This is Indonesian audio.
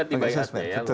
pakai sosmed dibaiat ya